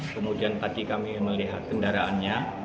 kemudian tadi kami melihat kendaraannya